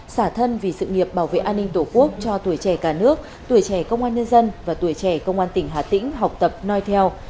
xả thân vì sự nghiệp bảo vệ an ninh tổ quốc cho tuổi trẻ cả nước tuổi trẻ công an nhân dân và tuổi trẻ công an tỉnh hà tĩnh học tập noi theo